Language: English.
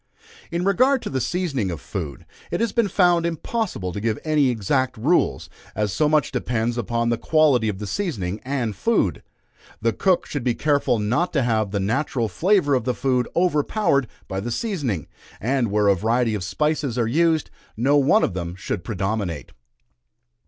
In regard to the seasoning of food, it has been found impossible to give any exact rules, as so much depends upon the quality of the seasoning and food. The cook should be careful not to have the natural flavor of the food overpowered by the seasoning; and where a variety of spices are used, no one of them should predominate.